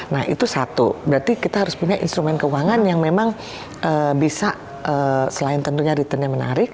nah itu satu berarti kita harus punya instrumen keuangan yang memang bisa selain tentunya return yang menarik